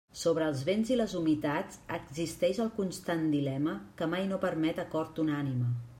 Sobre els vents i les humitats existeix el constant dilema que mai no permet acord unànime.